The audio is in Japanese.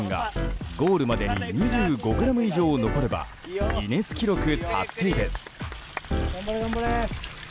一度につかんだそうめんがゴールまでに２５ｇ以上残ればギネス記録達成です。